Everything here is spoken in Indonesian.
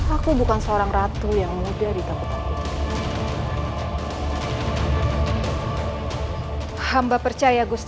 aku bukan seorang ratu yang mudah ditakut takut